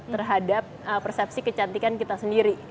terhadap persepsi kecantikan kita sendiri